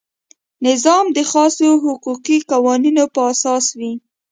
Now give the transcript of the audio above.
نظام د خاصو حقوقي قوانینو په اساس وي.